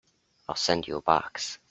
I'll send you a box.